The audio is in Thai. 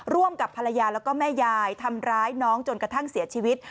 ร่วมกับภรรยาแล้วก็แม่ยายทำร้ายน้องจนกระทั่งเสียชีวิต